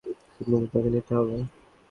সিদ্ধান্ত তোকে নিতে হবে।